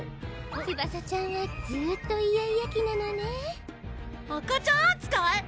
ツバサちゃんはずーっとイヤイヤ期なのねぇ赤ちゃんあつかい？